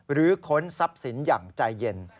หรือค้นซับสินอย่างใจเย็น